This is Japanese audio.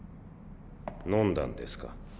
飲んだんですか？